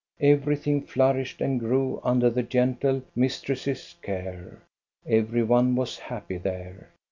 Everything flourished and grew under the gentle mistress's care. Every one was happy there.